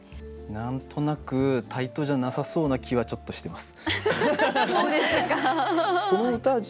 何となく対等じゃなさそうな気はちょっとしてます。